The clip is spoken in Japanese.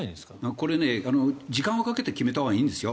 これ、時間をかけて決めたほうがいいんですよ。